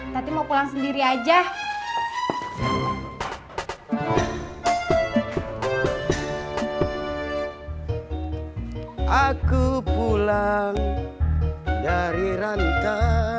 tati mau pulang sendiri aja